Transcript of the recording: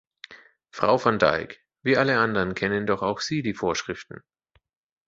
Frau van Dijk, wie alle anderen kennen doch auch Sie die Vorschriften.